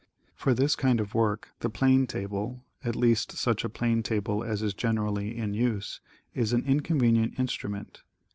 For this kind of work the plane table, at least such a plane table as is generally in use is an incon venient instrument.